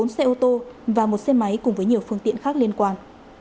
bốn xe ô tô và một xe máy cùng với nhiều phương tiện khác liên quan